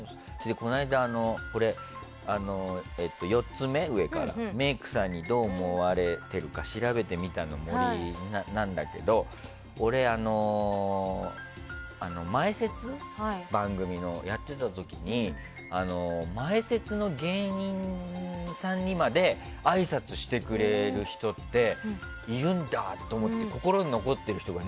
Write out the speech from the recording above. この間、上から４つ目メイクさんにどう思われてるのか調べてみたの森なんだけど俺、番組の前説やってた時に前説の芸人さんにまであいさつしてくれる人っているんだって思って心に残っている人が